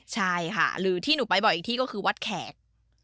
ใช่ค่ะหรือที่หนูไปบอกอีกที่ก็คือวัดแขก